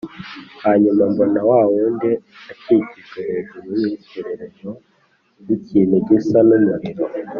Hanyuma mbona wa wundi akikijwe hejuru y’urukenyerero n’ikintu gisa n’umuriro